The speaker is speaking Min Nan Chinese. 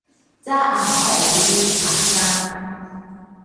早暗愛會記得疊衫